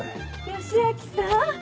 良明さん。